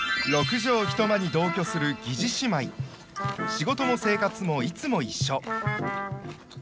仕事も生活もいつも一緒。